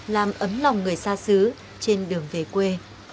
làm ấm lòng người xa xứ trên đường về quê